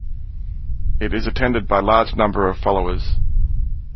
It is attended by large number of followers.